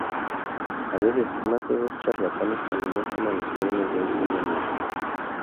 A veces, más de dos charlatanes alimentan a los jóvenes de un solo nido.